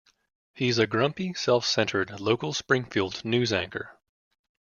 He is a grumpy, self-centered local Springfield news anchor.